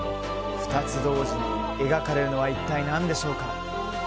２つ同時に描かれるのは一体何でしょうか。